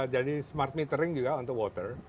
jadi smart metering juga untuk water